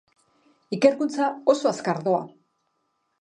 Ikerkuntza oso azkar doa.